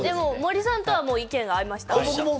森さんと意見が合いました。